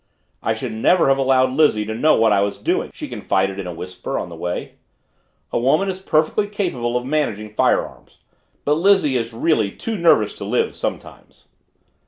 "I should never have allowed Lizzie to know what I was doing," she confided in a whisper, on the way. "A woman is perfectly capable of managing firearms but Lizzie is really too nervous to live, sometimes."